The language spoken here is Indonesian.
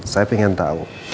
saya ingin tahu